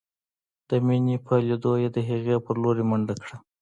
د مينې په ليدو يې د هغې په لورې منډه کړه.